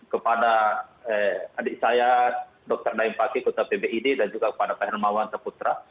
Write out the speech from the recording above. kepada adik saya dr daim paky kota pbid dan juga kepada pak hermawan teputra